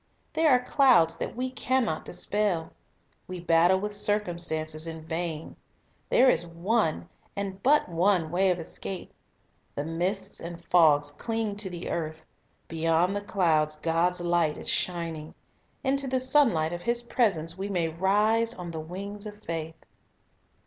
There are clouds that we can not Clouds dispel. We battle with circumstances in vain. There is one, and but one, way of escape. The mists and fogs cling to the earth; beyond the clouds God's light is 1 Ps. 104 : 18, 12 ; 145 : 16. Other Object Lessons 119 shining. Into the sunlight of His presence we may rise 'on the wings of faith.